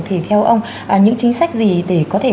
theo ông những chính sách gì để có thể